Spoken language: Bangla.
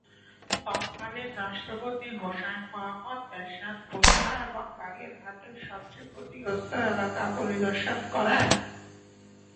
তৎকালীন রাষ্ট্রপতি হুসেইন মুহাম্মদ এরশাদ খুলনা এবং বাগেরহাটের সবচেয়ে ক্ষতিগ্রস্ত এলাকা পরিদর্শন করেন।